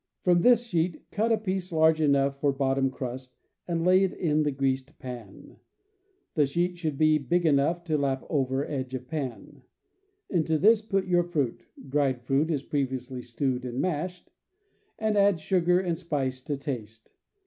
From this sheet cut a piece large enough for bottom crust and lay it in the greased pan. The sheet should be big enough to lap over edge of pan. Into this put your fruit (dried fruit is previously stewed and mashed) , and add sugar and spice to taste.